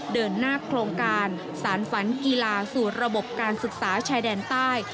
เดินหน้าโครงการสารฝันกีฬาสู่ระบบการศึกษาชายแดนใต้